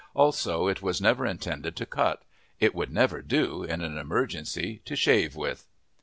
Also, it was never intended to cut. It would never do, in an emergency, to shave with.